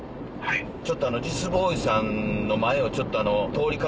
ちょっとジスボーイさんの前を通りかかったんですが。